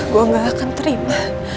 gue gak akan terima